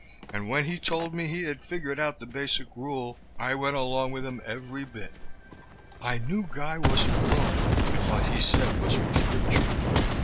And when he told me he had figured out the Basic Rule, I went along with him every bit. I knew Guy wasn't wrong, and what he said was from Scripture.